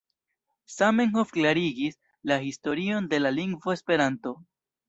Zamenhof klarigis la historion de la lingvo Esperanto.